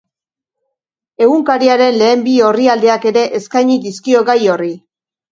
Egunkariaren lehen bi orrialdeak ere eskaini dizkio gai horri.